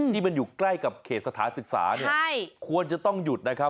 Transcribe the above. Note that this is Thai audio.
ที่มันอยู่ใกล้กับเขตสถานศึกษาเนี่ยควรจะต้องหยุดนะครับ